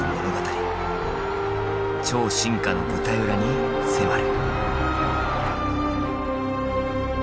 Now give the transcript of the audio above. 超進化の舞台裏に迫る。